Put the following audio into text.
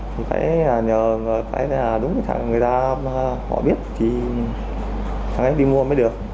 thấy là nhờ người ta thấy là đúng cái thằng người ta họ biết thì thằng ấy đi mua mới được